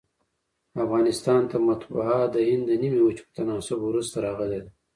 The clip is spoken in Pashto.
افغانستان ته مطبعه دهند د نیمي وچي په تناسب وروسته راغلې ده.